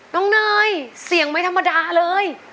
น้องเนยเสียงไม่ธรรมดาเลย